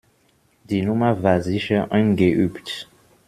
Die Nummer war sicher eingeübt.